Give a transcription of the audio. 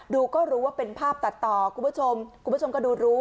ดูก็รู้ว่าเป็นภาพตัดต่อคุณผู้ชมก็ดูรู้ใช่ไหมครับ